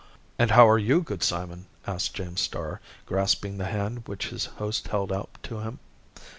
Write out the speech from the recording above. "And how are you, good Simon?" asked James Starr, grasping the hand which his host held out to him.